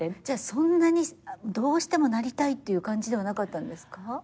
じゃあそんなにどうしてもなりたいっていう感じではなかったんですか？